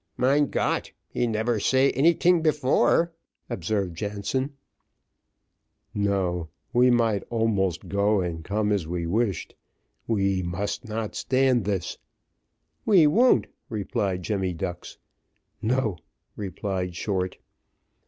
"Mein Gott, he nebber say anyting before," observed Jansen. "No; we might almost go and come as we wished. We must not stand this." "We won't," replied Jemmy Ducks. "No," replied Short.